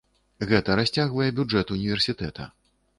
Гэта расцягвае бюджэт універсітэта.